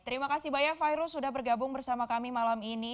terima kasih banyak fairu sudah bergabung bersama kami malam ini